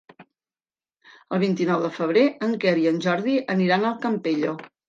El vint-i-nou de febrer en Quer i en Jordi aniran al Campello.